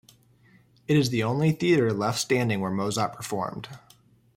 It is the only theatre left standing where Mozart performed.